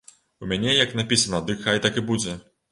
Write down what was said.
У мяне як напісана, дых хай так і будзе!